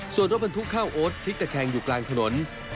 ส่วนรถบรรทุกข้าวโอ๊ตพลิกตะแคงอยู่กลางถนน